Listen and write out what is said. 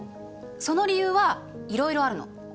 その理由はいろいろあるの。